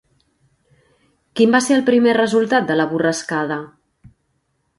Quin va ser el primer resultat de la borrascada?